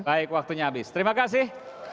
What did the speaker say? baik waktunya habis terima kasih